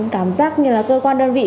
cảm giác như là cơ quan đơn vị